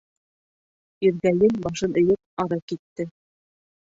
Иргәйел, башын эйеп, ары китте.